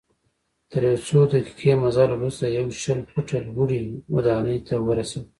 تر یو څو دقیقې مزل وروسته یوه شل فوټه لوړي ودانۍ ته ورسیدم.